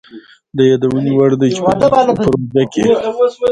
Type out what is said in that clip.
د يادوني وړ ده چي په دې پروژه کي